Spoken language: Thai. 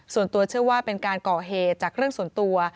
ส่วนตัวเชื่อว่าเป็นการก่อเหตุจากเรื่องส่วนตัว